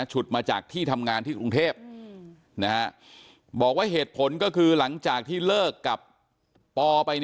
ฉุดมาจากที่ทำงานที่ธุงเทพฯ